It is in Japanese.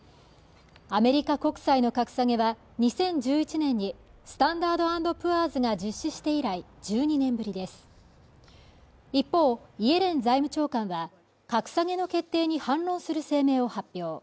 米国債の格下げは２０１１年にスタンダード＆プアーズが実施して以来１２年ぶりです一方、イエレン財務長官は格下げの決定に反論する声明を発表